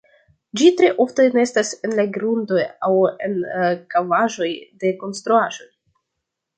Ĝi tre ofte nestas en la grundo aŭ en kavaĵoj de konstruaĵoj.